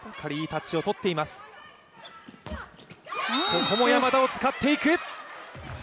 ここも山田を使っていく。